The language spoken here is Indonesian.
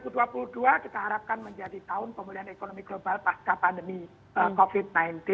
tahun dua ribu dua puluh dua kita harapkan menjadi tahun pemulihan ekonomi global pasca pandemi covid sembilan belas